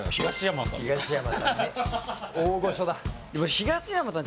東山さん。